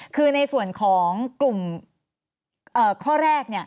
คือในส่วนของกลุ่มข้อแรก